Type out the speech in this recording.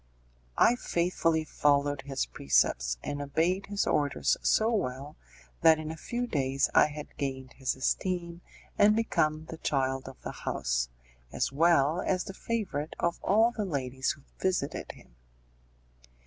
I faithfully followed his precepts, and obeyed his orders so well, that in a few days I had gained his esteem, and become the child of the house, as well as the favourite of all the ladies who visited him.